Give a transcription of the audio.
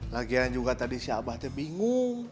lagian juga tadi si abah teh bingung